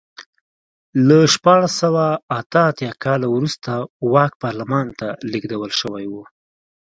له شپاړس سوه اته اتیا کال وروسته واک پارلمان ته لېږدول شوی و.